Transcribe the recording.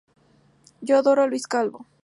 Yo adoro a Luis Calvo.